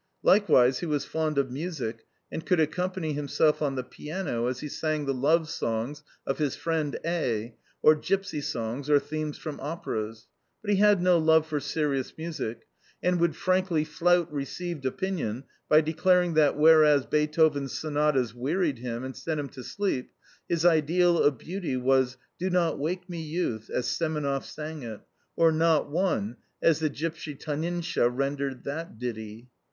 Likewise he was fond of music, and could accompany himself on the piano as he sang the love songs of his friend A or gipsy songs or themes from operas; but he had no love for serious music, and would frankly flout received opinion by declaring that, whereas Beethoven's sonatas wearied him and sent him to sleep, his ideal of beauty was "Do not wake me, youth" as Semenoff sang it, or "Not one" as the gipsy Taninsha rendered that ditty.